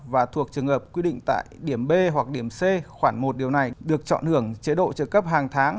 và thuộc trường hợp quy định tại điểm b hoặc điểm c khoảng một điều này được chọn hưởng chế độ trợ cấp hàng tháng